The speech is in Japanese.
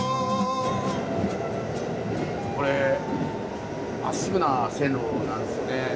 これまっすぐな線路なんですよね。